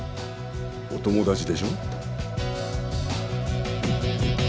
お友達でしょう？